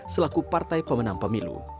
selaku partai pemenang pemilu